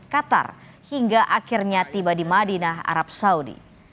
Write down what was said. qatar hingga akhirnya tiba di madinah arab saudi